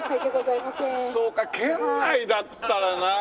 そうか県内だったらなあ。